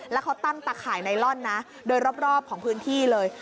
แล้วเขาตั้งตะข่ายไนลอนนะโดยรอบของพื้นที่เลย